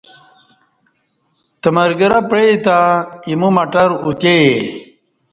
تمگرہ پیع تے ایمو مٹر اوتیے